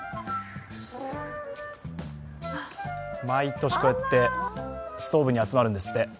毎年、こうやってストーブに集まるんですって。